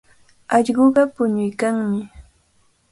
Allquqa puñuykanmi.